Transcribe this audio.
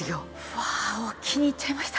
わあ気に入っちゃいました。